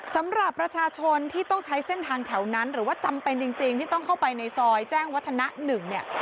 สำหรับประชาชนที่ต้องใช้เส้นทางแถวนั้นหรือว่าจำเป็นจริงที่ต้องเข้าไปในซอยแจ้งวัฒนะ๑เนี่ย